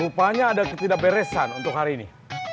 rupanya ada ketidak beresan untuk hari ini